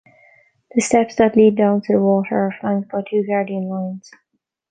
The steps that lead down to the water are flanked by two guardian lions.